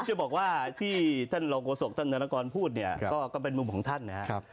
จะบอกว่าที่ท่านรองโฆษกท่านธนกรพูดเนี่ยก็เป็นมุมของท่านนะครับ